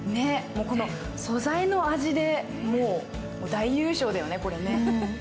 この素材の味でもう大優勝だよね、これね。